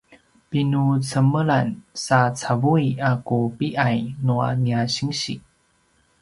pinucemelan sa cavui a ku pi’ay nua nia sinsi